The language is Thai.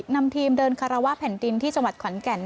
นำทีมเดินคารวะแผ่นดินที่จังหวัดขอนแก่น